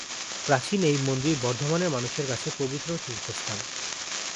প্রাচীন এই মন্দির বর্ধমানের মানুষের কাছে পবিত্র তীর্থস্থান।